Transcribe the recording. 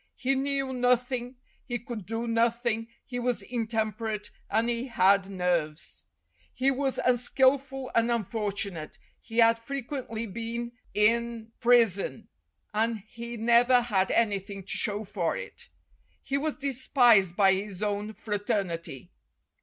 He knew nothing, he could do nothing, he was intemperate, and he had nerves. He was un skilful and unfortunate; he had frequently been in THE HERO AND THE BURGLAR 271 prison, and he never had anything to show for it. He was despised by his own fraternity.